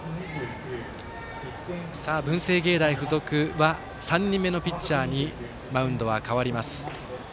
文星芸大付属は３人目のピッチャーにマウンドは代わります。